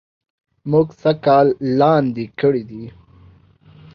مونږ سږ کال لاندي کړي دي